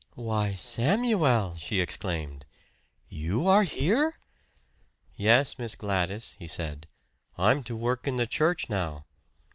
"Why, Samuel!" she exclaimed. "You are here?" "Yes, Miss Gladys," he said. "I'm to work in the church now."